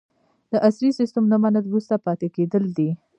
د عصري سیستم نه منل وروسته پاتې کیدل دي.